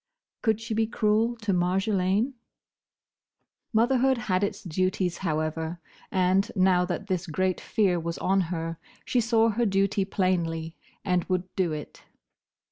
Could she be cruel to Marjolaine? Motherhood had its duties, however, and, now that this great fear was on her, she saw her duty plainly, and would do it.